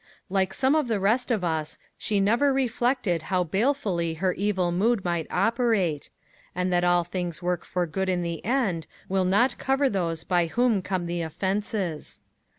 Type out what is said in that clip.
Like some of the rest of us, she never reflected how balefully her evil mood might operate; and that all things work for good in the end, will not cover those by whom come the offenses.